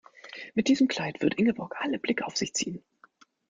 Mit diesem Kleid wird Ingeborg alle Blicke auf sich ziehen.